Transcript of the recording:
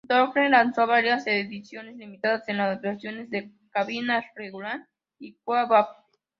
Dodge lanzó varias ediciones limitadas en las versiones de cabina regular y Quad Cab.